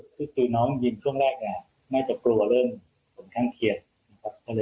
คุณน้องยินช่วงแรกไม่เกลาเริ่มข้างเคียด